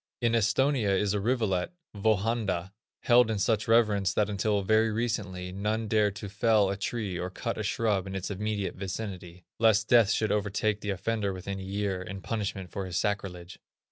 In Esthonia is a rivulet, Vöhanda, held in such reverence that until very recently, none dared to fell a tree or cut a shrub in its immediate vicinity, lest death should overtake the offender within a year, in punishment for his sacrilege.